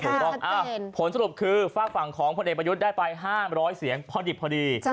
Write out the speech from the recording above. ถูกต้องผลสรุปคือฝากฝั่งของพลเอกประยุทธ์ได้ไป๕๐๐เสียงพอดิบพอดี